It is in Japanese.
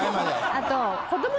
あと。